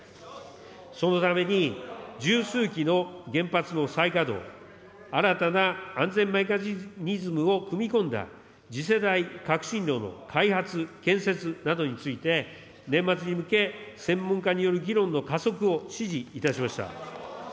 そのために十数基の原発の再稼働、新たな安全メカニズムを組み込んだ次世代革新炉の開発・建設などについて、年末に向け、専門家による議論の加速を指示いたしました。